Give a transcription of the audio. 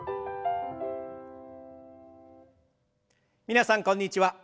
皆さんこんにちは。